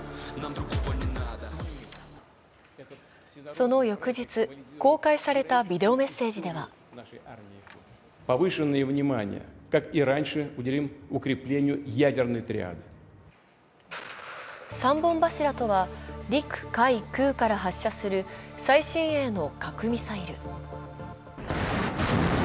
その翌日、公開されたビデオメッセージでは３本柱とは陸・海・空から発射する最新鋭の核ミサイル。